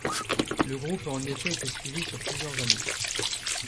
Le groupe a en effet été suivi sur plusieurs années.